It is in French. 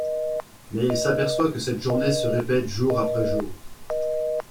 Mais il s’aperçoit que cette journée se répète jour après jour.